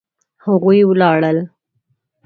هغوی ولاړل